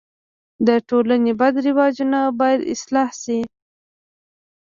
د ټولني بد رواجونه باید اصلاح سي.